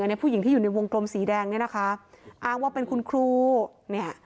ในผู้หญิงที่อยู่ในวงกลมสีแดงเนี่ยนะคะอ้างว่าเป็นคุณครูเนี่ย